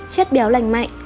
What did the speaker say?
chất béo lành mạnh